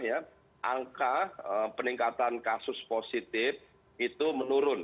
angka peningkatan kasus positif itu menurun